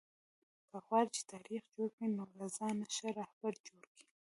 که غواړى، چي تاریخ جوړ کئ؛ نو له ځانه ښه راهبر جوړ کئ!